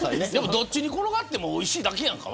どっちに転がってもおいしいだけやんか。